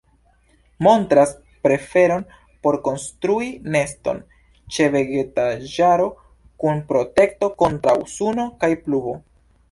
Montras preferon por konstrui neston ĉe vegetaĵaro, kun protekto kontraŭ suno kaj pluvo.